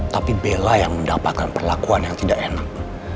tapi bella yang mendapatkan perlakuan yang tidak enak